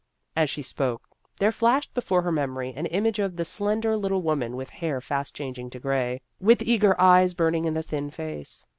As she spoke, there flashed be fore her memory an image of the slender little woman with hair fast changing to gray, with eager eyes burning in the thin face.